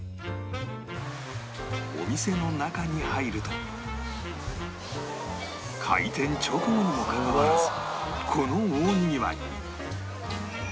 お店の中に入ると開店直後にもかかわらずこの大にぎわい